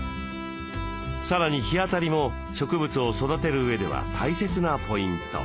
さらに日当たりも植物を育てる上では大切なポイント。